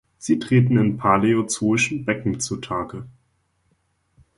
Sie treten in paläozoischen Becken zu Tage.